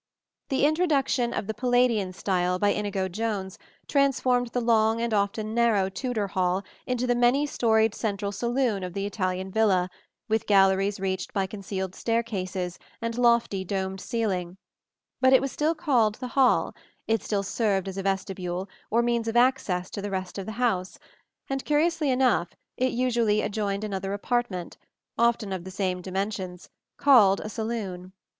The introduction of the Palladian style by Inigo Jones transformed the long and often narrow Tudor hall into the many storied central saloon of the Italian villa, with galleries reached by concealed staircases, and lofty domed ceiling; but it was still called the hall, it still served as a vestibule, or means of access to the rest of the house, and, curiously enough, it usually adjoined another apartment, often of the same dimensions, called a saloon.